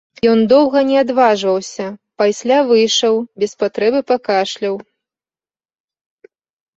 Ён доўга не адважваўся, пасля выйшаў, без патрэбы пакашляў.